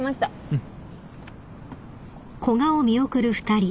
うん。